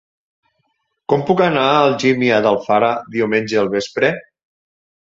Com puc anar a Algímia d'Alfara diumenge al vespre?